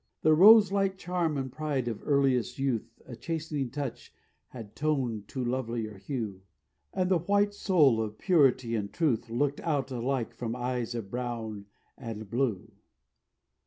The rose light charm and pride of earliest youth A chastening touch had toned to lovelier hue, And the white soul of purity and truth Looked out alike from eyes of brown and blue.